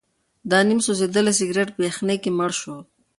دا نیم سوځېدلی سګرټ په یخنۍ کې مړ شو.